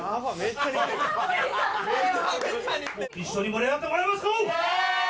一緒に盛り上がってもらえますか？